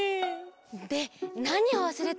でなにをわすれたの？